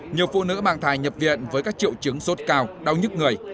nhiều phụ nữ mang thai nhập viện với các triệu chứng sốt cao đau nhức người